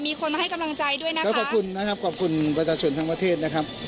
มีคนมาให้กำลังใจด้วยนะครับก็ขอบคุณนะครับขอบคุณประชาชนทั้งประเทศนะครับ